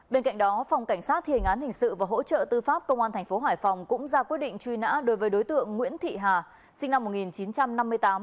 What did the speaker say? bên cạnh đó phòng cảnh sát thiền án hình sự và hỗ trợ tư pháp công an tp hải phòng cũng ra quyết định truy nã đối với đối tượng nguyễn thị hà sinh năm một nghìn chín trăm năm mươi tám